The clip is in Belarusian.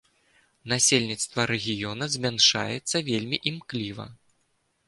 Насельніцтва рэгіёна змяншаецца вельмі імкліва.